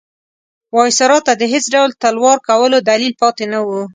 وایسرا ته د هېڅ ډول تلوار کولو دلیل پاتې نه وو.